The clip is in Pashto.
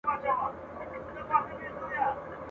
پرون هېر سو نن هم تېر دی ګړی بل ګړی ماښام دی !.